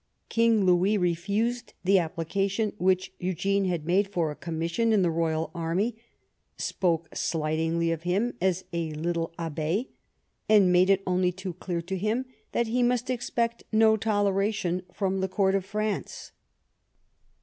King Louis refused the ap plication which Eugene had made for a commission in the royal army, spoke slightingly of him as a little abb^, and made it only too clear to him that he must expect no toleration from the court of France.